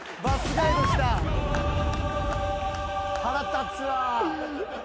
腹立つわ。